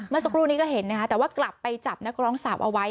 สักครู่นี้ก็เห็นนะคะแต่ว่ากลับไปจับนักร้องสาวเอาไว้